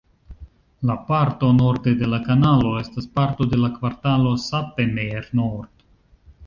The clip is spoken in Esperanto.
La parto norde de la kanalo estas parto de la kvartalo Sappemeer-Noord.